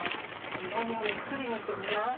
ここにお薬塗ってくんない？